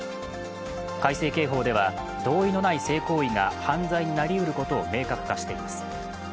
改正刑法では同意のない性行為が犯罪になりえることを明確化しています。